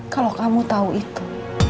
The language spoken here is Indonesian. kalau kamu tahu itu